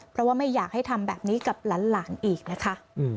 เพราะว่าไม่อยากให้ทำแบบนี้กับหลานอีกนะคะ